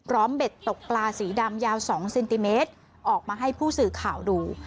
เบ็ดตกปลาสีดำยาว๒เซนติเมตรออกมาให้ผู้สื่อข่าวดู